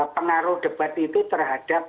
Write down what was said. pengaruh debat itu terhadap